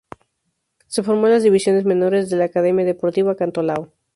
Se formó en las divisiones menores de la Academia Deportiva Cantolao.